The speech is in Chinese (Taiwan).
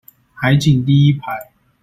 海景第一排